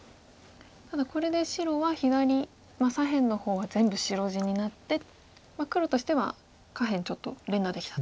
ただこれで白は左左辺の方は全部白地になって黒としては下辺ちょっと連打できたと。